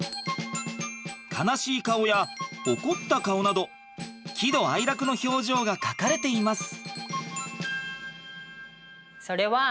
悲しい顔や怒った顔など喜怒哀楽の表情が描かれています。